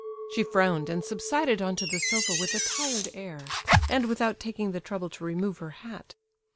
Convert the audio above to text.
She frowned, and subsided on to the sofa with a tired air, and without taking the trouble to remove her hat.